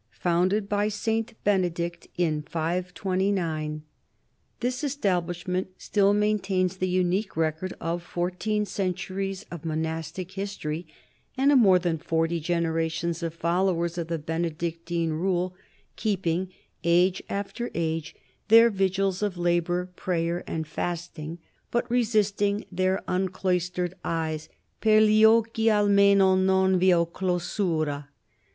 Founded by St. Benedict in 529, this establishment still maintains the unique record of fourteen centuries of mo nastic history and of more than forty generations of fol lowers of the Benedictine rule, keeping age after age 236 NORMANS IN EUROPEAN HISTORY their vigils of labor, prayer, and fasting, but feasting their uncloistered eyes per gV occhi almeno non v' & clausura!